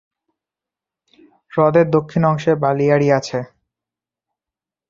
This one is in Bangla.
হ্রদের দক্ষিণ অংশে বালিয়াড়ি আছে।